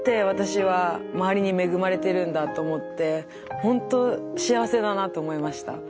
私は周りに恵まれてるんだと思ってほんと幸せだなと思いました。